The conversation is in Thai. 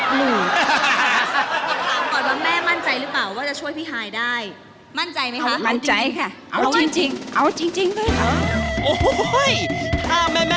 รู้ไหมแค่ถ้าทางว้านของมีเมียใหม่แล้วอย่างงี้รู้ไหม